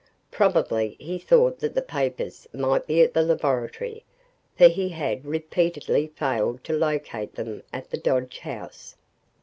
Probably he thought that the papers might be at the laboratory, for he had repeatedly failed to locate them at the Dodge house.